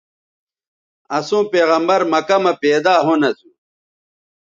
اَسوں پیغمبرؐ مکہ مہ پیدا ھُون اَسو